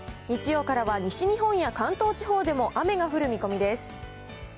日曜からは西日本や関東地方でも雨が降る見込みです。